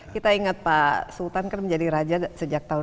kita ingat pak sultan kan menjadi raja sejak tahun dua ribu